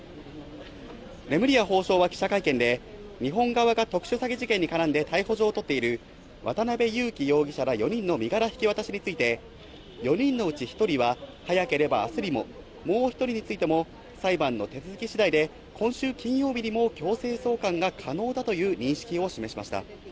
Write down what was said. レムリヤ法相は記者会見で、日本側が特殊詐欺事件に絡んで逮捕状を取っている渡辺優樹容疑者ら４人の身柄引き渡しについて、４人のうち１人は、早ければあすにも、もう１人についても、裁判の手続きしだいで、今週金曜日にも強制送還が可能だという認識を示しました。